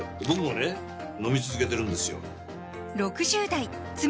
飲み続けてるんですよ